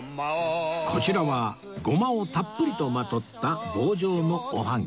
こちらはごまをたっぷりとまとった棒状のおはぎ